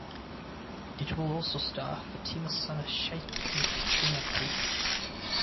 It will also star Fatima Sana Shaikh and Katrina Kaif.